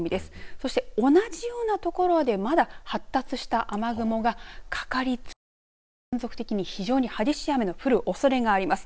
そして同じような所で、まだ発達した雨雲がかかり続けて断続的に非常に激しい雨の降るおそれがあります。